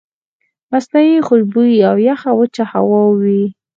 مصنوعي خوشبويئ او يخه وچه هوا وي